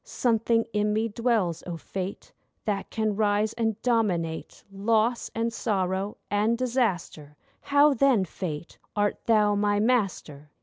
Something in me dwells, O Fate, That can rise and dominate Loss, and sorrow, and disaster,— How, then, Fate, art thou my master?